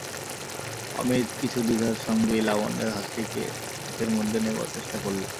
অমিত কিছু দ্বিধার সঙ্গেই লাবণ্যর হাতটিকে হাতের মধ্যে নেবার চেষ্টা করলে।